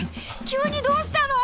急にどうしたの？